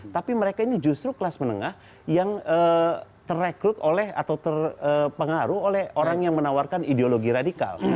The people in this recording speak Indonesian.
tapi mereka ini justru kelas menengah yang terekrut oleh atau terpengaruh oleh orang yang menawarkan ideologi radikal